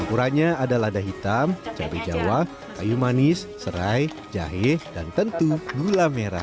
ukurannya ada lada hitam cabai jawa kayu manis serai jahe dan tentu gula merah